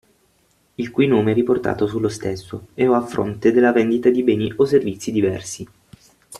Il cui nome è riportato sullo stesso e/o a fronte della vendita di beni o servizi diversi.